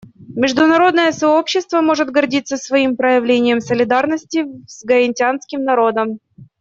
Международное сообщество может гордиться своим проявлением солидарности с гаитянским народом.